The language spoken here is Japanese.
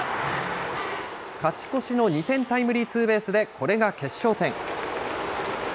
勝ち越しの２点タイムリーツーベースで、これが決勝点。